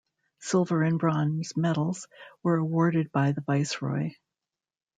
Silver and Bronze medals were awarded by the Viceroy.